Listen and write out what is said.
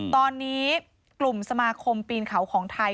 ตอนนี้กลุ่มสมาคมปีนเขาของไทย